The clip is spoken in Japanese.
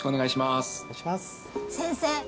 先生